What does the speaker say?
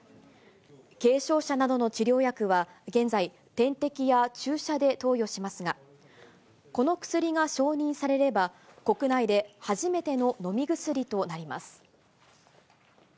軽症者などの治療薬は、現在、点滴や注射で投与しますが、この薬が承認されれば、国内で初めての飲み薬となります。